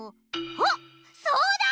あっそうだ！